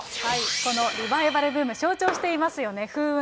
このリバイバルブーム象徴していますよね、風雲！